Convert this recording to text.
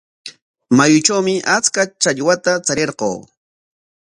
Mayutrawmi achka challwata charirquu.